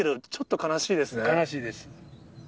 悲しいです。